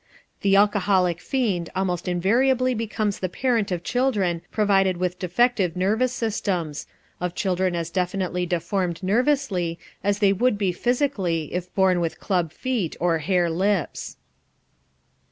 The alcoholic fiend almost invariably becomes the parent of children provided with defective nervous systems, of children as definitely deformed nervously as they would be physically if born with club feet or hare lips.